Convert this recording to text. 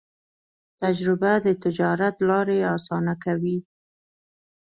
تجربه د تجارت لارې اسانه کوي.